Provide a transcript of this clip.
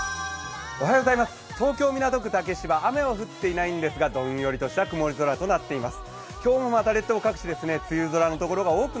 東京・港区竹芝雨は降っていないんですがどんよりしとた曇り空となっています。